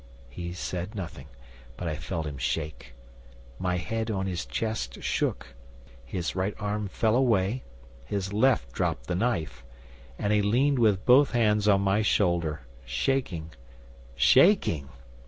'He said nothing, but I felt him shake. My head on his chest shook; his right arm fell away, his left dropped the knife, and he leaned with both hands on my shoulder shaking shaking!